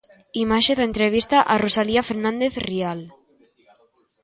Imaxe da entrevista a Rosalía Fernández Rial.